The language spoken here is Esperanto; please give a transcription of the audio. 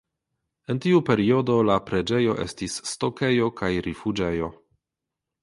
En tiu periodo la preĝejo estis stokejo kaj rifuĝejo.